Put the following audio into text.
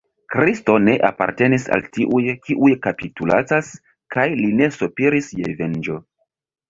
Kristo ne apartenis al tiuj, kiuj kapitulacas, kaj li ne sopiris je venĝo.